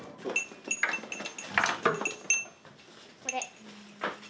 これ。